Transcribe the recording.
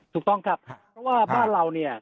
ถูกต้องครับเพราะว่าบ้านเราเนี่ย